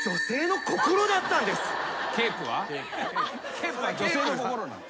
ケープは女性の心なの？